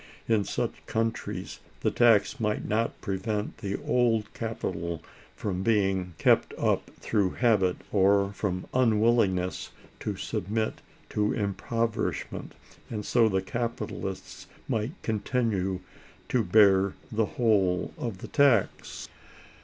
In such countries the tax might not prevent the old capital from being kept up through habit, or from unwillingness to submit to impoverishment, and so the capitalists might continue to bear the whole of the tax.